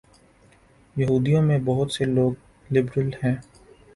یہودیوں میں بہت سے لوگ لبرل ہیں۔